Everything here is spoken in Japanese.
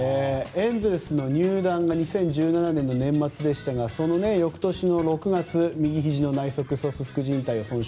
エンゼルスの入団が２０１７年でしたがその翌年右ひじの内側側副じん帯を損傷。